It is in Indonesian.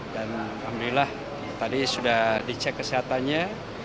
dan alhamdulillah tadi sudah dicek kesehatannya